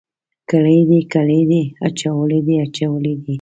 کړي دي، کړی دی، اچولی دی، اچولي دي.